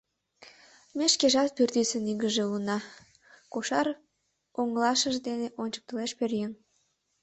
Ме шкежат пӱртӱсын игыже улына, — кошар оҥылашыж дене ончыктылеш пӧръеҥ.